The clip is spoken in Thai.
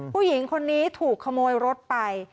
ผู้หญิงคนนี้ถูกขโมยรถไป